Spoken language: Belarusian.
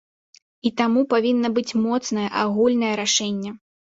І таму павінна быць моцнае агульнае рашэнне.